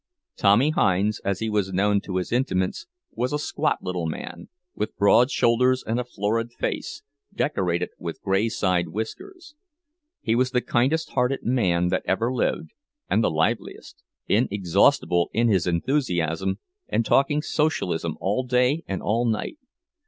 "Tommy" Hinds, as he was known to his intimates, was a squat little man, with broad shoulders and a florid face, decorated with gray side whiskers. He was the kindest hearted man that ever lived, and the liveliest—inexhaustible in his enthusiasm, and talking Socialism all day and all night.